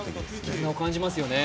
絆を感じますよね。